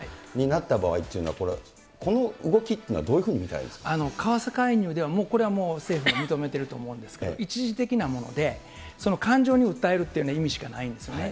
なった場合っていうのは、この動きっていうのはどういうふ為替介入では、これはもう、政府が認めてると思うんですけど、一時的なもので、その感情に訴えるっていうような意味しかないですよね。